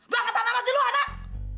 bangetan sama si lu anak